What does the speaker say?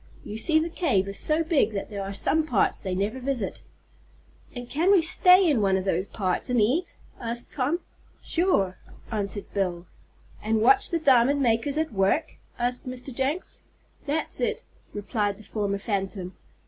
You see the cave is so big that there are some parts they never visit." "And we can stay in one of those parts, and eat?" asked Tom. "Sure," answered Bill. "And watch the diamond makers at work?" asked Mr. Jenks. "That's it," replied the former phantom.